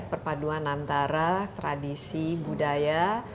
perpaduan antara tradisi budaya